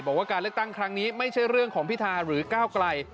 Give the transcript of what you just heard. บอกว่าการเลือกตั้งครั้งนี้ไม่ใช่เรื่องของพิธาหรือก้าวไกล